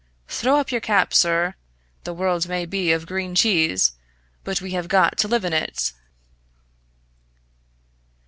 Throw up your cap, sir! The world may be made of green cheese, but we have got to live in it!"